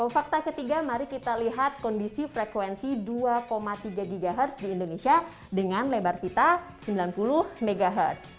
fakta ketiga mari kita lihat kondisi frekuensi dua tiga ghz di indonesia dengan lebar vita sembilan puluh mhz